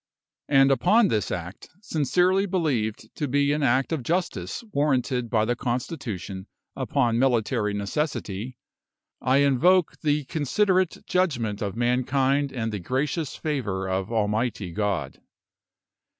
And upon this act, sincerely believed to be an act of justice warranted by the Constitution upon military necessity, I invoke the considerate judgment of mankind and the gracious favour of Almighty God.